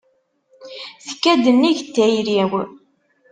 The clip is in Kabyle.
Tekka-d nnig n tayri-w.